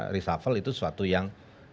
reshuffle itu sesuatu yang